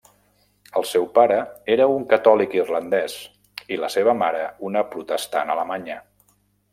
El seu pare era un catòlic irlandès i la seva mare una protestant alemanya.